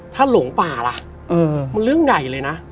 ถ้าหลงป่าล่ะมันเรื่องใหญ่เลยนะ